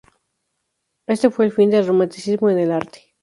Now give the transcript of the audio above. Este fue el fin del romanticismo en el arte.